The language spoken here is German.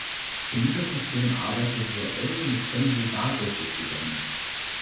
In dieser Funktion arbeitete er eng mit Henri Barbusse zusammen.